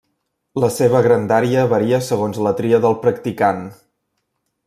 La seva grandària varia segons la tria del practicant.